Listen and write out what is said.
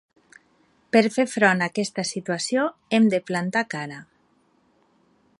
Per fer front a aquesta situació hem de plantar cara.